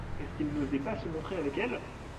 Est-ce qu'il n'osait pas se montrer avec elle?